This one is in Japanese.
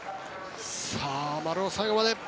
丸尾、最後まで。